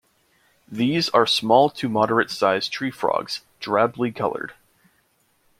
These are small to moderate-sized tree frogs, drably colored.